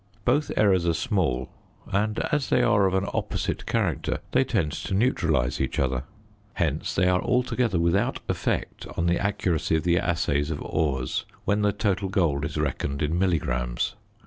Both errors are small, and as they are of an opposite character they tend to neutralise each other. Hence they are altogether without effect on the accuracy of the assays of ores when the total gold is reckoned in milligrams.